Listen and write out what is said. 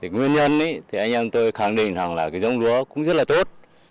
nguyên nhân thì anh em tôi khẳng định rằng là cái giống lúa cũng rất là tốt